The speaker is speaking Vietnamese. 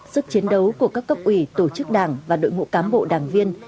sức chiến đấu của các cấp ủy tổ chức đảng và đội ngũ cán bộ đảng viên